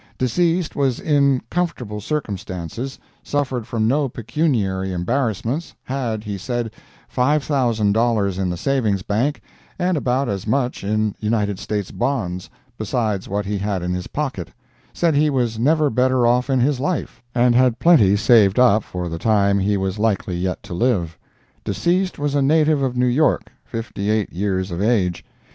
Deceased was in comfortable circumstances, suffered from no pecuniary embarrassments, had, he said, five thousand dollars in the Savings Bank, and about as much in United States Bonds, besides what he had in his pocket; said he was never better off in his life, and had plenty saved up for the time he was likely yet to live. Deceased was a native of New York, fifty eight years of age.